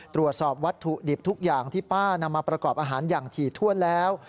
ตรวจสอบวัตถุดิบทุกอย่างที่ป้านำมาประกอบอาหารอย่างถี่ถ้วนแล้ว